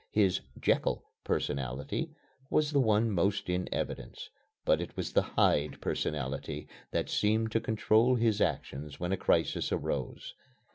His "Jekyll" personality was the one most in evidence, but it was the "Hyde" personality that seemed to control his actions when a crisis arose.